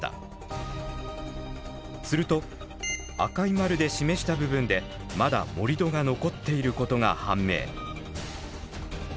すると赤い丸で示した部分でまだ盛り土が残っていることが判明。